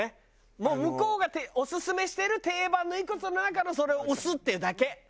もう向こうがオススメしてる定番のいくつかの中のそれを押すっていうだけ。